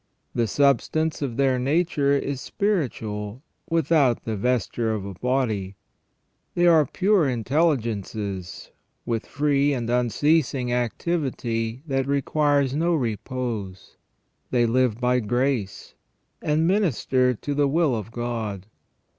The substance of their nature is spiritual, without the vesture of a body ; they are pure intelli gences, with free and unceasing activity that requires no repose. They live by grace, and minister to the will of God.